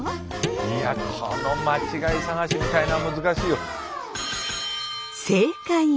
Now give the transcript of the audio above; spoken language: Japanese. いやこの間違い探しみたいなの難しいよ。